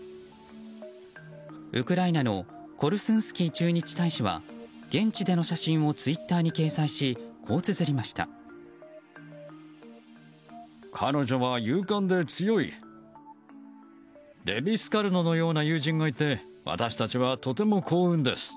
ウクライナのコルスンスキー駐日大使は現地での写真をツイッターに掲載しこうつづりました。